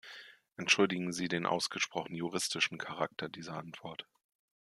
Entschuldigen Sie den ausgesprochen juristischen Charakter dieser Antwort.